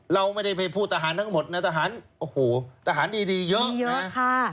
เราไม่ได้ไปพูดทหารทั้งหมดนะทหารโอ้โหทหารดีเยอะนะ